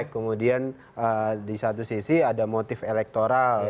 kemudian di satu sisi ada motif elektoral